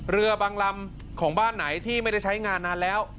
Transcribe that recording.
เรือบางลำของบ้านไหนที่ไม่ได้ใช้งานนานแล้ว